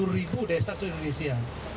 tujuh puluh ribu desa di indonesia